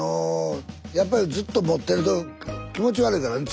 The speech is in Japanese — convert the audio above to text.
やっぱりずっと持ってると気持ち悪いからね。